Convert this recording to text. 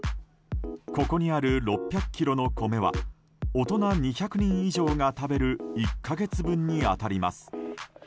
ここにある６００ｋｇの米は大人２００人以上が食べる１か月分に当たります。